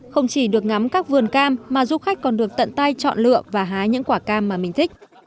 không chỉ được ngắm các vườn cam mà du khách còn được tận tay chọn lựa và hái những quả cam mà mình thích